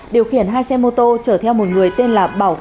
điều khiển hai xe mô tô chở theo một người tên là phạm văn sang